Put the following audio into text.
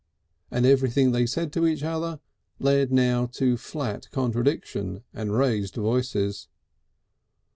And everything they said to each other led now to flat contradiction and raised voices.